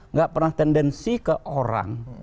nggak pernah tendensi ke orang